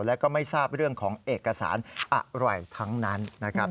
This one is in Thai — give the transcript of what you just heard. แล้วก็ไม่ทราบเรื่องของเอกสารอะไรทั้งนั้นนะครับ